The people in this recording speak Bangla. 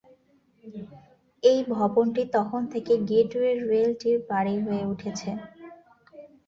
এই ভবনটি তখন থেকে গেটওয়ে রিয়েলটির বাড়ি হয়ে উঠেছে।